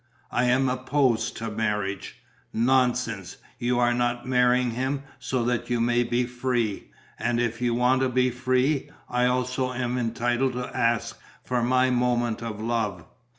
"I am opposed to marriage." "Nonsense! You're not marrying him, so that you may be free. And, if you want to be free, I also am entitled to ask for my moment of love."